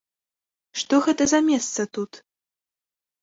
Што гэта за месца тут?